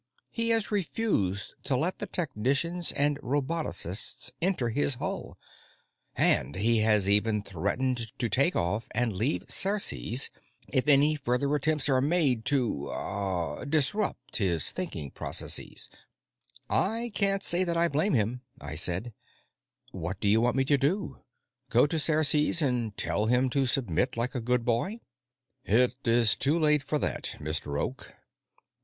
He has refused to let the technicians and robotocists enter his hull, and he has threatened to take off and leave Ceres if any further attempts are made to ... ah ... disrupt his thinking processes." "I can't say that I blame him," I said. "What do you want me to do? Go to Ceres and tell him to submit like a good boy?" "It is too late for that, Mr. Oak.